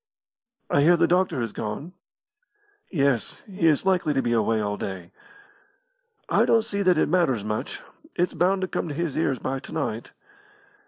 "I hear the doctor has gone." "Yes; he is likely to be away all day." "I don't see that it matters much. It's bound to come to his ears by to night."